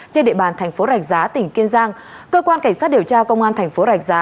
trên địa bàn thành phố rạch giá tỉnh kiên giang cơ quan cảnh sát điều tra công an thành phố rạch giá